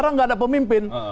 orang nggak ada pemimpin